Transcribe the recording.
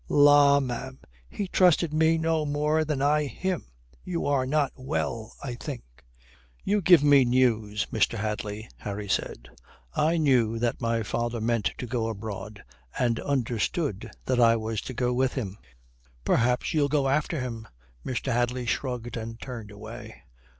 "La, ma'am, he trusted me no more than I him. You are not well, I think." "You give me news, Mr. Hadley," Harry said. "I knew that my father meant to go abroad, and understood that I was to go with him." "Perhaps you'll go after him." Mr. Hadley shrugged and turned away.